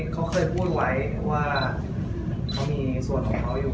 เขาเคยพูดไว้ว่าเขามีส่วนของเขาอยู่